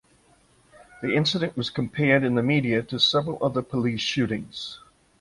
The incident was compared in the media to several other police shootings.